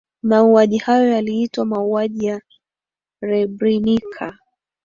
mauaji hayo yaliitwa mauaji ya srebrenica